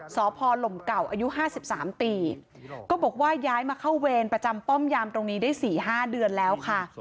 สพลมเก่าอายุ๕๓ปีก็บอกว่าย้ายมาเข้าเวรประจำป้อมยามตรงนี้ได้๔๕เดือนแล้วค่ะ